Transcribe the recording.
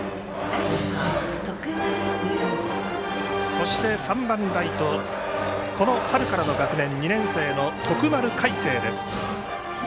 そして、３番、ライトこの春からの学年２年生の徳丸快晴です。